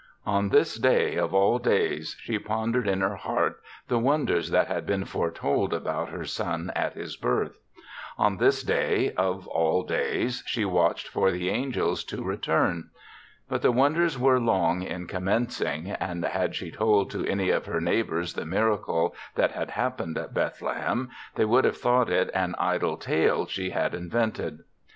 On this day, of all days, she pondered in her heart the wonders that had been foretold about her son at his birth. On this day, of all days, she watched for the angels THE SEVENTH CHRISTMAS 5 to return. But the wonders were long in commencing, and had she told to any of her neighbors the miracle that had happened at Bethle hem, they would have thought it an idle tale she had invented.